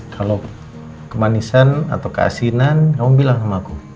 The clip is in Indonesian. kalau kemanisan atau keasinan kamu bilang sama aku